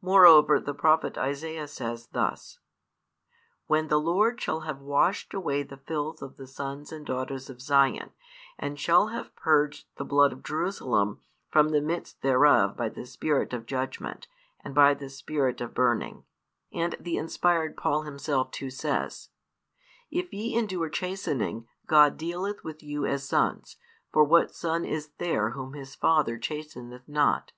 Moreover the prophet Isaiah says thus: When the Lord shall have washed away the filth of the sons and daughters of Zion, and shall have purged the blood of Jerusalem from the midst thereof by the spirit of judgment, and by the spirit of burning. And the inspired Paul himself too says: If ye endure chastening, God dealeth with you as sons, for what son is there whom his father chasteneth not?